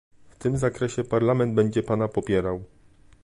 W tym zakresie Parlament będzie pana popierał